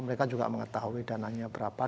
mereka juga mengetahui dananya berapa